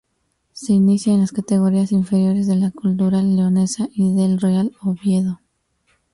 Se inicia en las categorías inferiores de la Cultural Leonesa y del Real Oviedo.